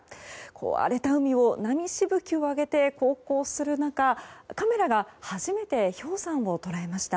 壊れた海を波しぶきを上げて航行する中カメラが初めて氷山を捉えました。